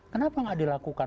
kenapa tidak dilakukan